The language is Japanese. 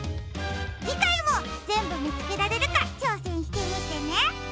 じかいもぜんぶみつけられるかちょうせんしてみてね。